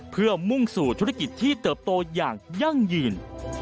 เพื่อมุ่งสู่ธุรกิจที่เติบโตอย่างยั่งยืน